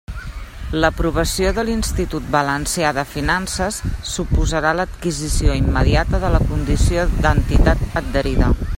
L'aprovació de l'Institut Valencià de Finances suposarà l'adquisició immediata de la condició d'entitat adherida.